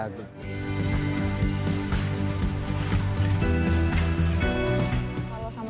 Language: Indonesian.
mencoba untuk menghadirkan saya